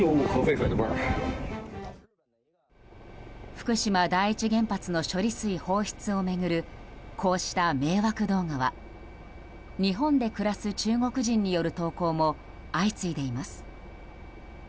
福島第一原発の処理水放出を巡る、こうした迷惑動画は日本で暮らす中国人による投稿も相次いでいます。